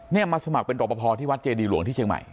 มาสมัครเป็นรอปภที่วัดเจดีหลวงที่เชียงใหม่